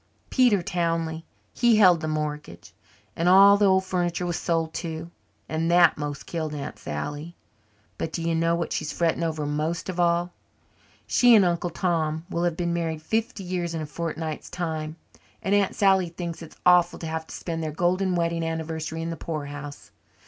"Peter Townley. He held the mortgage. And all the old furniture was sold too, and that most killed Aunt Sally. But do you know what she's fretting over most of all? She and Uncle Tom will have been married fifty years in a fortnight's time and Aunt Sally thinks it's awful to have to spend their golden wedding anniversary in the poorhouse.